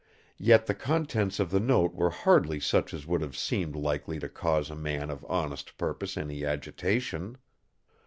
Yet the contents of the note were hardly such as would have seemed likely to cause a man of honest purpose any agitation.